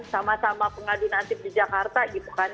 sama sama pengadil nasib di jakarta gitu kan